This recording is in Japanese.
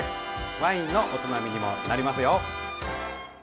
ワインのおつまみにもなりますよ。